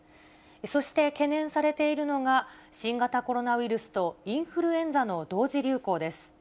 そして懸念されているのが、新型コロナウイルスとインフルエンザの同時流行です。